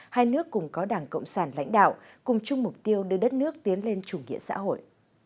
hai nước cùng có đảng cộng sản lãnh đạo cùng chung mục tiêu đưa đất nước tiến lên chủ nghĩa xã hội